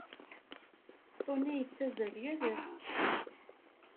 Tony yettazzal yal ass.